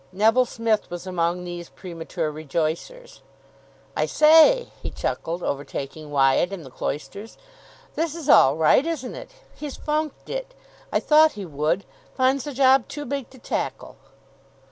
Neville Smith was among these premature rejoicers. "I say," he chuckled, overtaking Wyatt in the cloisters, "this is all right, isn't it! He's funked it. I thought he would. Finds the job too big to tackle."